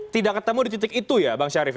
tidak ketemu di titik itu ya bang syarif